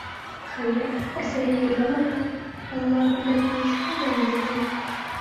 Хәйер, әсәһе йырламаһа, балала бындай тауыш ҡайҙан булһын?